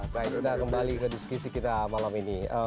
baik kita kembali ke diskusi kita malam ini